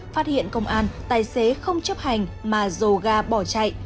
phát hiện công an tài xế không chấp hành mà dồ ga bỏ chạy